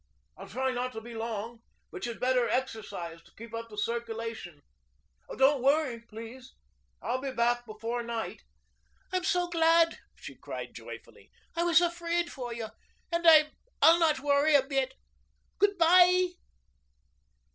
I'll try not to be long, but you'd better exercise to keep up the circulation. Don't worry, please. I'll be back before night." "I'm so glad," she cried joyfully. "I was afraid for you. And I'll not worry a bit. Good bye."